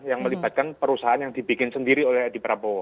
yang melibatkan perusahaan yang dibikin sendiri oleh edi prabowo